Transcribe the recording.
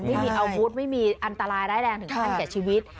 ไม่มีอาวุธไม่มีอันตรายร้ายแรงถึงขั้นแก่ชีวิต